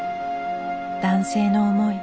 男性の思い